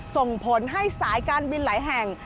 ส่งผลให้สายการบินหลายแห่ง